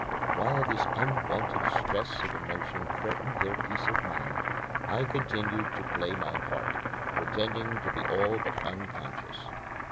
While this unwonted stress of emotion threatened their peace of mind, I continued to play my part, pretending to be all but unconscious.